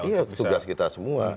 iya tugas kita semua